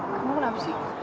kamu kenapa sih